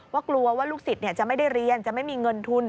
กลัวว่าลูกศิษย์จะไม่ได้เรียนจะไม่มีเงินทุน